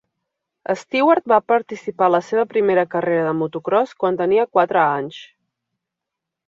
Stewart va participar a la seva primera carrera de motocròs quan tenia quatre anys.